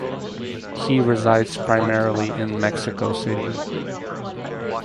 He resides primarily in Mexico City.